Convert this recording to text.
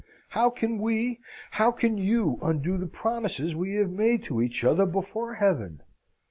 How can we, how can you, undo the promises we have made to each other before Heaven?